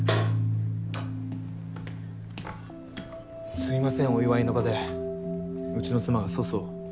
・すいませんお祝いの場でうちの妻が粗相を。